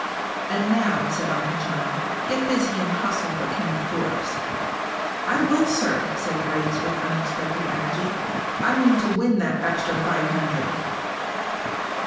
"And now," said Uncle John, "get busy and hustle for Kenneth Forbes." "I will, sir," said Briggs, with unexpected energy. "I mean to win that extra five hundred!"